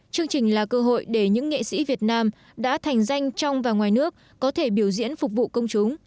chương trình là cơ hội để những nghệ sĩ việt nam đã thành danh trong và ngoài nước có thể biểu diễn phục vụ công chúng